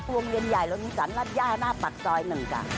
วงเย็นใหญ่ลงจันทร์และย่าหน้าปักซอย๑กับ